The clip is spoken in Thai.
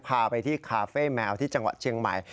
พาไปที่คาเฟ่แมวที่จังหวัดเชียงใหม่